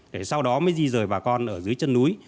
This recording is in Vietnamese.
để sau đó mới di rời bà con ở dưới chân núi